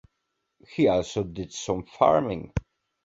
He also did some farming.